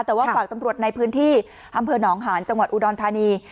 แต่ว่าฝากตำรวจในพื้นที่อำเภอหนองหานจังหวัดอุดรธานี